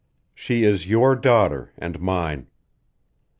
She is your daughter, and mine.